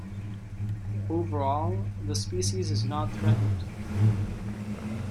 Overall, the species is not threatened.